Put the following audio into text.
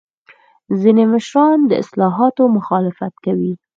ځینې مشران د اصلاحاتو مخالفت کوي.